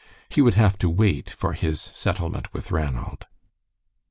He would have to wait for his settlement with Ranald.